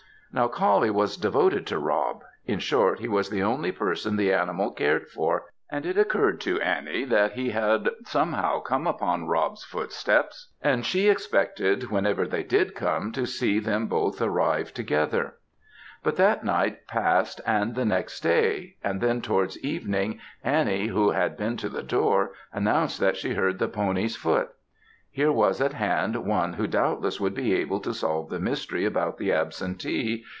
Now Coullie was devoted to Rob in short, he was the only person the animal cared for and it occurred to Annie that he had somehow come upon Rob's footsteps, and tracked him to Gifford, and she expected whenever they did come, to see them both arrive together. But that night passed and the next day, and then, towards evening, Annie, who had been to the door, announced that she heard the pony's foot; here was at hand one who doubtless would be able to solve the mystery about the absentee.